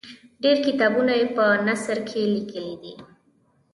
ډېر کتابونه یې په نثر کې لیکلي دي.